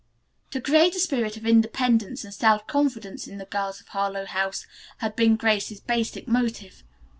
To create a spirit of independence and self confidence in the girls of Harlowe House had been Grace's basic motive.